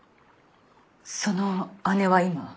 その姉は今？